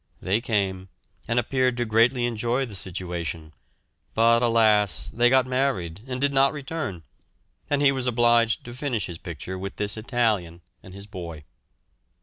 They came, and appeared to greatly enjoy the situation; but alas! they got married and did not return, and he was obliged to finish his picture with this Italian and his boy.